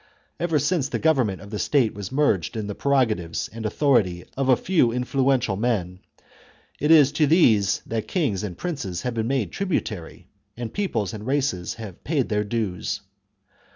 Ever since the govern ment of the state was merged in the prerogatives and authority of a few influential men, it is to these that kings and princes have been tributary, and peoples and races have paid their dues.